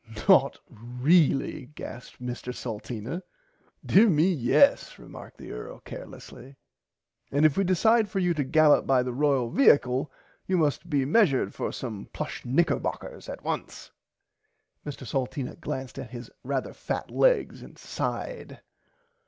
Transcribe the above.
Not really gasped Mr Salteena. Dear me yes remarked the earl carelessly and if we decide for you to gallopp by the royal viacle you must be mesured for some plush knickerbockers at once. Mr Salteena glanced at his rarther fat legs and sighed.